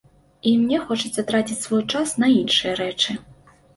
І мне хочацца траціць свой час на іншыя рэчы.